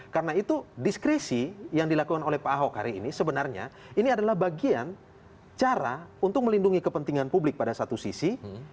karena itu diskresi yang dilakukan oleh pak ahok hari ini sebenarnya ini adalah bagian cara untuk melindungi kepentingan publik pada satu sisi